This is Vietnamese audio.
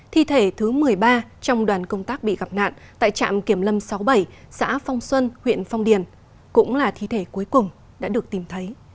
thi thể thứ một mươi ba trong đoàn công tác bị gặp nạn tại trạm kiểm lâm sáu mươi bảy xã phong xuân huyện phong điền cũng là thi thể cuối cùng đã được tìm thấy